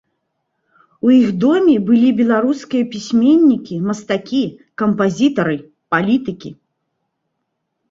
У іх доме былі беларускія пісьменнікі, мастакі, кампазітары, палітыкі.